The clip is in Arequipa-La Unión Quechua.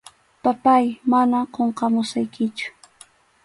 Papáy, manam qunqamusaykichu.